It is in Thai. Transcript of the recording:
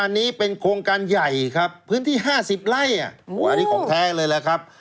อันนี้ของแทกเลยละครับ